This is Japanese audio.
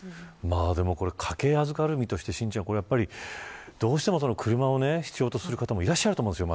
でもこれ家計を預かる身としてどうしても車を必要とする方もいらっしゃると思うんですよ。